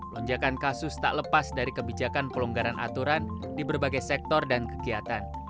lonjakan kasus tak lepas dari kebijakan pelonggaran aturan di berbagai sektor dan kegiatan